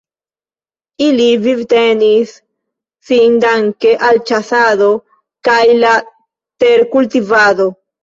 Ili vivtenis sin danke al ĉasado kaj la terkultivado.